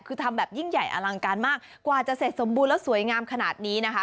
คือทำแบบยิ่งใหญ่อลังการมากกว่าจะเสร็จสมบูรณ์แล้วสวยงามขนาดนี้นะคะ